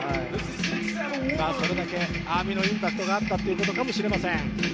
それだけＡＭＩのインパクトがあったということかもしれません。